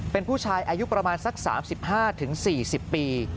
เป็นผู้ชายอายุประมาณสัก๓๕๔๐ปี